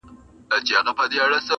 ورور د وجدان اور کي سوځي،